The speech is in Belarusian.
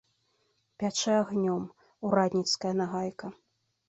Пячэ агнём урадніцкая нагайка.